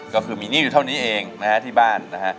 ก็คือมีหนี้อยู่เท่านี้เองนะฮะที่บ้านนะฮะ